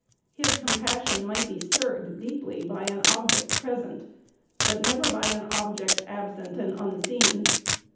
His compassion might be stirred deeply by an object present, but never by an object absent and unseen.